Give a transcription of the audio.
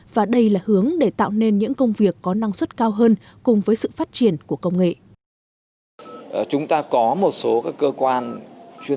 và đây là hướng để tạo nên những công việc có năng suất cao hơn cùng với sự phát triển của công nghệ